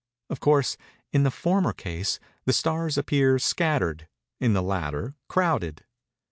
Of course, in the former case, the stars appear scattered—in the latter, crowded.